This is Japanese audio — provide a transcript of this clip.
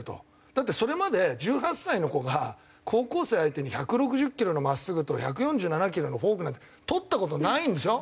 だってそれまで１８歳の子が高校生相手に１６０キロのまっすぐと１４７キロのフォークなんて捕った事ないんですよ。